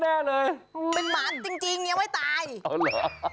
มันเป็นหมาจริงยังไม่ตายอ้าวเหรอ